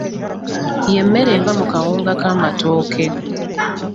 Ye mmere eva mu kawunga k'amatooke.